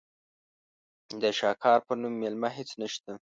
د شاکار په نوم مېله هېڅ نشته.